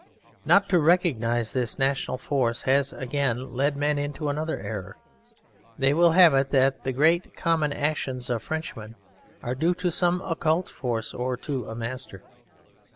Not to recognize this National force has, again, led men into another error: they will have it that the great common actions of Frenchmen are due to some occult force or to a master.